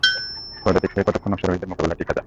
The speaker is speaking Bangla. পদাতিক হয়ে কতক্ষণ অশ্বারোহীদের মোকাবিলায় টেকা যায়।